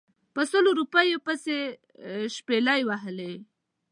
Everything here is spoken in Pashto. په سلو روپیو پسې شپلۍ وهلې.